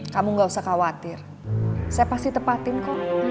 kamu gak usah khawatir saya pasti tepatin kok